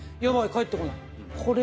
帰ってこない。